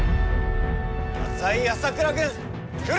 浅井朝倉軍来るぞ！